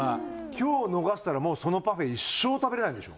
今日を逃したらそのパフェ一生食べられないんでしょ。